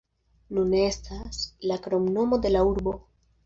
Nune estas la kromnomo de la urbo.